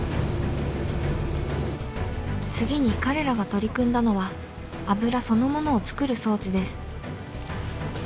次に彼らが取り組んだのは油そのものを作る装置です。